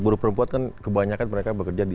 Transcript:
buruh perempuan kan kebanyakan mereka bekerja di